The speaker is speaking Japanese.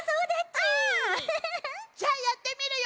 じゃあやってみるよ。